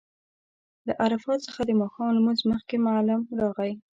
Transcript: له عرفات څخه د ماښام لمونځ مخکې معلم راغی.